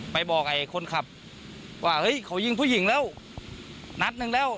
ไปบอกไอ้คนขับว่าเฮ้ยเขายิงผู้หญิงแล้วนัดหนึ่งแล้ว